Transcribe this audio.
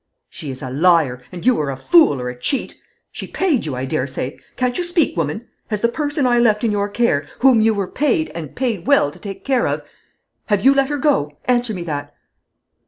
"She is a liar; and you are a fool or a cheat. She paid you, I dare say! Can't you speak, woman? Has the person I left in your care, whom you were paid, and paid well, to take care of, have you let her go? Answer me that."